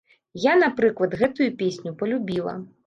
Я, напрыклад, гэтую песню палюбіла.